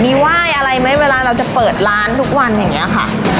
มีไหว้อะไรไหมเวลาเราจะเปิดร้านทุกวันอย่างนี้ค่ะ